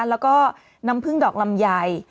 แล้วก็น้ำผึ้งดอกลำไย